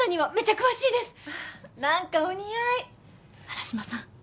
原島さん